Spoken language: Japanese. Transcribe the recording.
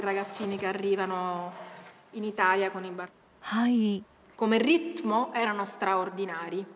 はい。